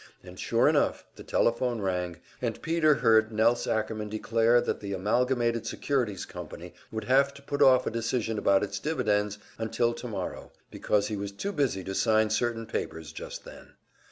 And sure enough, the telephone rang, and Peter heard Nelse Ackerman declare that the Amalgamated Securities Company would have to put off a decision about its dividends until tomorrow, because he was too busy to sign certain papers just then.